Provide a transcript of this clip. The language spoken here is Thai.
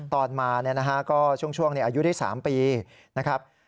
ตอนมาก็ช่วงอายุได้๓ปีนะครับ